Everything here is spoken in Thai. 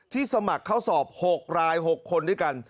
สมัครเข้าสอบ๖ราย๖คนด้วยกัน